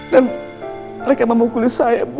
dan mereka memukul saya bu